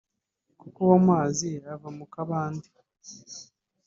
kuko ubu amazi ava mu kabande